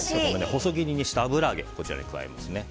細切りにした油揚げをこちらに加えます。